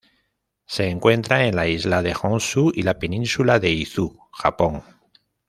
Se encuentra en la isla de Honshu y la península de Izu, Japón.